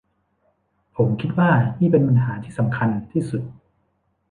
ผมคิดว่านี่เป็นปัญหาที่สำคัญที่สุด